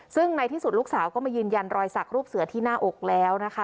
ซึ่งในที่สุดลูกสาวก็มายืนยันรอยสักรูปเสือที่หน้าอกแล้วนะคะ